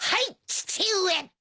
父上。